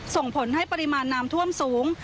ส่งผลให้ปริมาณน้ำท่วมสูง